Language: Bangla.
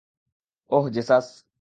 ওহ, জেসাস!